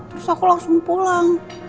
terus aku langsung pulang